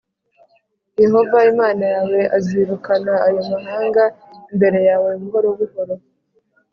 Yehova Imana yawe azirukana ayo mahanga imbere yawe buhoro buhoro.